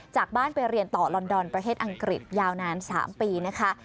จากบ้านไปเรียนต่อลอนดอนประเทศอังกฤษยาวนาน๓ปีนะคะ